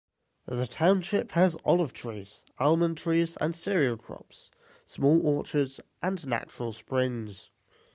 The township has olive trees, almond trees and cereal crops, small orchards, and natural springs.